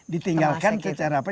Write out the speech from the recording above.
ditinggalkan secara apa